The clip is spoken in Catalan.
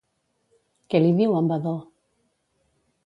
Què li diu en Vadó?